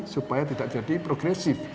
supaya tidak jadi progresif